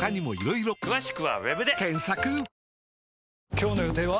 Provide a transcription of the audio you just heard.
今日の予定は？